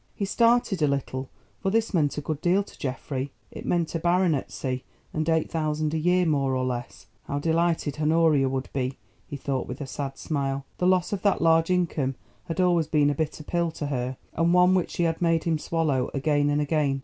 He started a little, for this meant a good deal to Geoffrey. It meant a baronetcy and eight thousand a year, more or less. How delighted Honoria would be, he thought with a sad smile; the loss of that large income had always been a bitter pill to her, and one which she had made him swallow again and again.